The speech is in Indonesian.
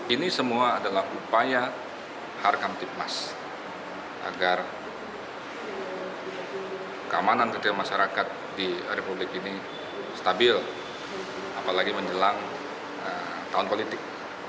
ini semua adalah upaya harkam tipmas agar keamanan ketika masyarakat di republik ini stabil apalagi menjelang tahun politik